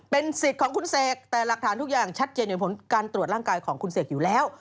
เป็นสิทธิ์ของคุณเสกแต่หลักฐานทุกอย่างชัดเจนอยู่ผลการตรวจร่างกายของคุณเสกอยู่แล้ว